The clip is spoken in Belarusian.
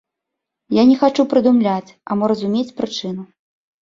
Я не хачу прыдумляць або разумець прычыну.